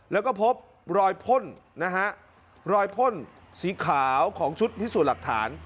แล้วก็พบรอยพ่นนะฮะรอยพ่นสีขาวของชุดพิสูจน์หลักฐาน